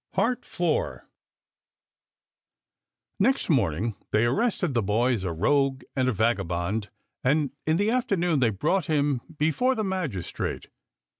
IV Next morning they arrested the boy as a rogue and a vagabond, and in the afternoon they brought him before the magistrate.